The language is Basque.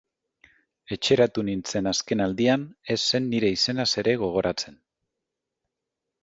Etxeratu nintzen azken aldian, ez zen nire izenaz ere gogoratzen...